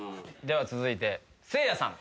では続いてせいやさん。